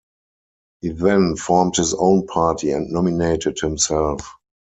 He then formed his own party and nominated himself.